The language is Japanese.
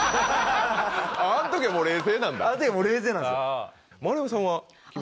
あの時はもう冷静なんです。